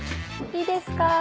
いいですか？